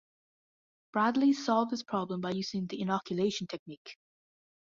Bradley solved this problem by using the inoculation technique.